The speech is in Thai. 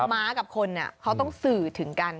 ม้ากับคนเขาต้องสื่อถึงกัน